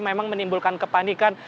memang menimbulkan kepanikan